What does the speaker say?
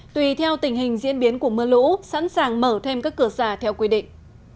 tùy theo tình hình diễn biến của mưa lũ sẵn sàng mở thêm các cửa xả theo quy định